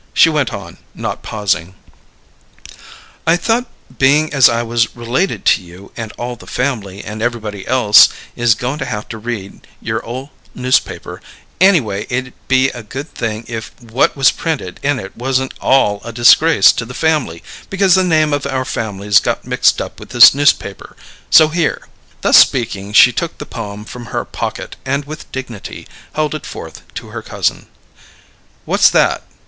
She went on, not pausing: "I thought being as I was related to you, and all the family and everybody else is goin' to haf to read your ole newspaper, anyway it'd be a good thing if what was printed in it wasn't all a disgrace to the family, because the name of our family's got mixed up with this newspaper; so here!" Thus speaking, she took the poem from her pocket and with dignity held it forth to her cousin. "What's that?"